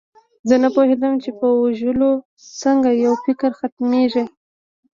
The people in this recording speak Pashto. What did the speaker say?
زه نه پوهېدم چې په وژلو څنګه یو فکر ختمیږي